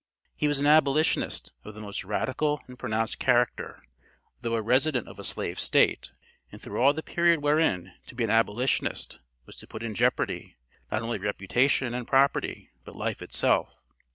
He was an abolitionist of the most radical and pronounced character, though a resident of a slave State, and through all the period wherein to be an abolitionist was to put in jeopardy, not only reputation and property, but life itself.